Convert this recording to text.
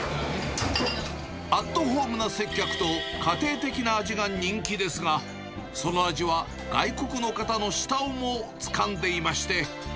アットホームな接客と家庭的な味が人気ですが、その味は、外国の方の舌をもつかんでいまして。